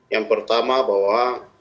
yang pertama bahwa